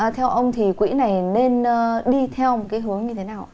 theo ông thì quỹ này nên đi theo một cái hướng như thế nào